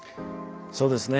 そうですね。